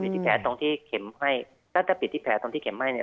ที่แผลตรงที่เข็มให้ถ้าเราแต่ปิดที่แผลตรงที่เข็มให้เนี่ย